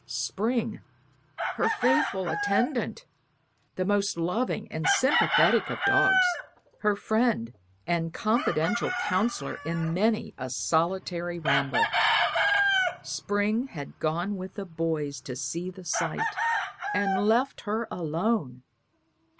Spring her faithful attendant, the most loving and sympathetic of dogs, her friend and confidential counselor in many a solitary ramble Spring had gone with the boys to see the sight, and left her alone.